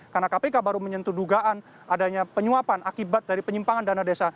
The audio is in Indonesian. karena kpk baru menyentuh dugaan adanya penyuapan akibat dari penyimpangan dana desa